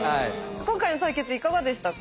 今回の対決いかがでしたか？